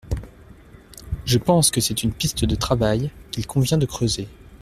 Je pense que c’est une piste de travail qu’il convient de creuser.